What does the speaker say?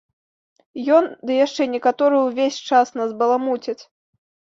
Ён ды яшчэ некаторыя ўвесь час нас баламуцяць.